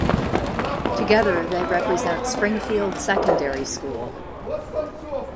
Together, they represent Springfield Secondary School.